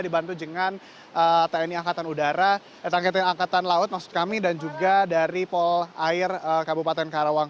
dibantu dengan tni angkatan udara tni angkatan laut maksud kami dan juga dari pol air kabupaten karawang